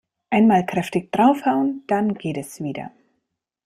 Einmal kräftig draufhauen, dann geht es wieder.